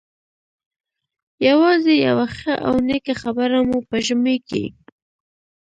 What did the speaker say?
یوازې یوه ښه او نېکه خبره مو په ژمي کې.